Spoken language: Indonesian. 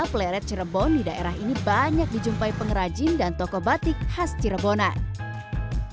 pleret cirebon di daerah ini banyak dijumpai pengrajin dan toko batik khas cirebonan